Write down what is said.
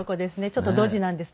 ちょっとドジなんです。